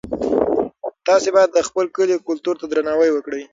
تاسي باید د خپل کلي کلتور ته درناوی وکړئ.